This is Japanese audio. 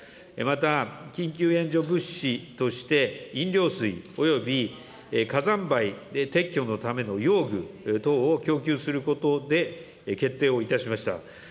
また緊急援助物資として、飲料水および火山灰撤去のための用具等を供給することで決定をいたしました。